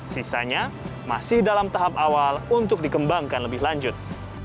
sisanya masih dalam tahap awal untuk dikembangkan lebih lanjut